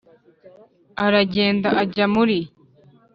aragenda ajjya muri